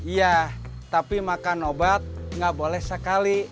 iya tapi makan obat nggak boleh sekali